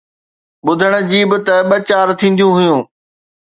ٻُڌڻ جي به ته ٻه چار ٿينديون هيون